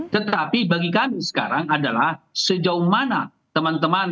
tetapi bagi kami sekarang adalah sejauh mana teman teman